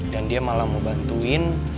dan dia malah mau bantuin